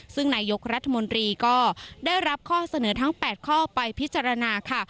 ซึ่งนายกรัฐมนตรีก็ได้รับข้อเสนอทั้ง๘ข้อไปพิจารณาค่ะ